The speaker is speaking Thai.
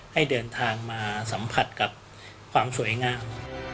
ให้เดินทางมาสัมผัสกับความสวยงาม